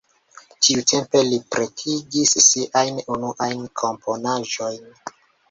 Tiutempe li pretigis siajn unuajn komponaĵojn.